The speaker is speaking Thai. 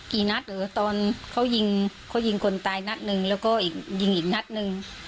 กี่นัดเหรอตอนเขายิงคนตายนัดนึงแล้วก็ยิงอีกนัดนึง